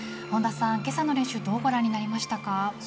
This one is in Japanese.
本田さん、今朝の練習どうご覧になりましたか？